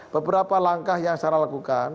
beberapa langkah yang sarah lakukan